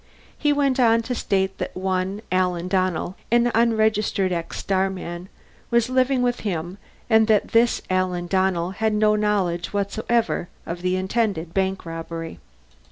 He went on to state that one Alan Donnell, an unregistered ex starman, was living with him, and that this Alan Donnell had no knowledge whatsoever of the intended bank robbery.